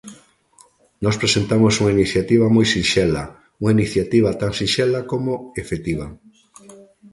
Nós presentamos unha iniciativa moi sinxela, unha iniciativa tan sinxela como efectiva.